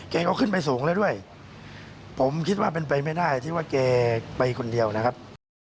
ก็ขึ้นไปสูงแล้วด้วยผมคิดว่าเป็นไปไม่ได้ที่ว่าแกไปคนเดียวนะครับ